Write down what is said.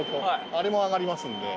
あれも上がりますんで。